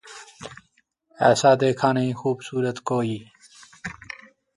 ایسا دیکھا نہیں خوبصورت کوئی